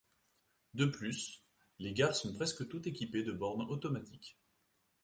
De plus, les gares sont presque toutes équipées de bornes automatiques.